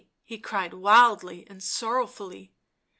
he cried wildly and sorrowfully.